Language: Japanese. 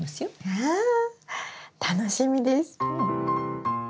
わ楽しみです。